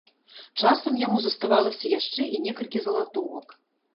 Часам яму заставалася яшчэ і некалькі залатовак.